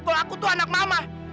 kalau aku tuh anak mama